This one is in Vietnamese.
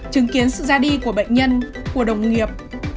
chứng kiến sự ra đi của bệnh nhân của đồng nghiệp